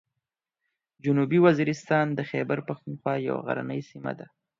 جنوبي وزیرستان د خیبر پښتونخوا یوه غرنۍ سیمه ده.